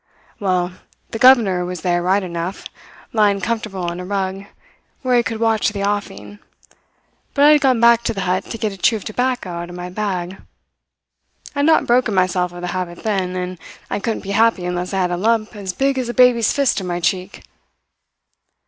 Well, the governor was there right enough, lying comfortable on a rug, where he could watch the offing, but I had gone back to the hut to get a chew of tobacco out of my bag. I had not broken myself of the habit then, and I couldn't be happy unless I had a lump as big as a baby's fist in my cheek."